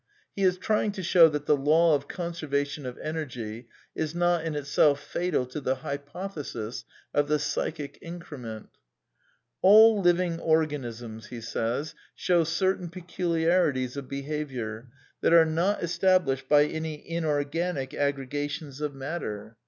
(He is trying to show that the law of conservation of energy is not in itself fatal to the hypothesis of the psychic increment) ".•. all living organisms show certain peculiarities of be haviour that are not established by any inorganic aggregations of matter.